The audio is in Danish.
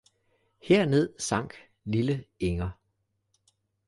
Her ned sank lille inger